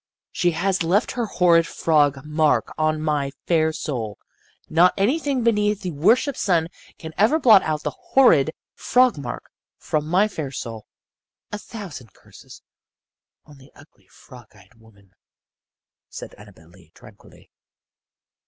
"She has left her horrid frog mark on my fair soul. Not anything beneath the worshiped sun can ever blot out the horrid frog mark from my fair soul. A thousand curses on the ugly, frog eyed woman," said Annabel Lee, tranquilly.